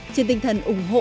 trên tinh thần ủng hộ